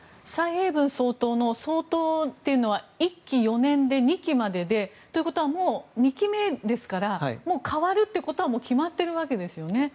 蔡英文総統の総統というのは１期４年で２期まででということはもう２期目ですから代わるということはもう決まっているわけですよね。